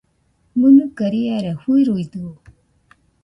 ¿Mɨnɨka riara fɨruidɨo?